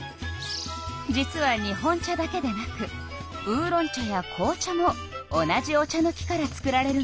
実は日本茶だけでなくウーロン茶や紅茶も同じお茶の木から作られるのよ。